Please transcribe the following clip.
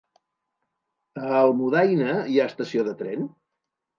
A Almudaina hi ha estació de tren?